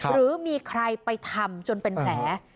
หรือมีใครไปทำจนเป็นแผล